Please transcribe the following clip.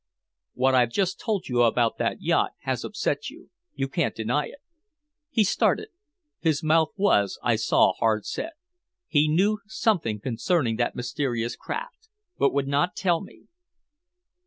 "What I've just told you about that yacht has upset you. You can't deny it" He started. His mouth was, I saw, hard set. He knew something concerning that mysterious craft, but would not tell me.